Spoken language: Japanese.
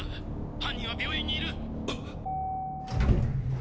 犯人は病院にいる！